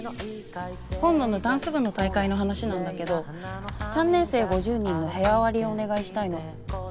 今度のダンス部の大会の話なんだけど３年生５０人の部屋割りをお願いしたいの。